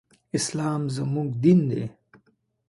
اسلام زموږ دين دی.